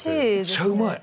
めっちゃうまい！